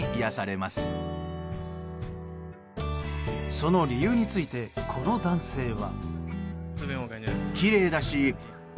その理由についてこの男性は。